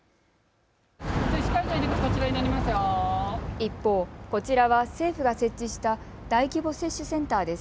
一方、こちらは政府が設置した大規模接種センターです。